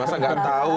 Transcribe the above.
masa nggak tahu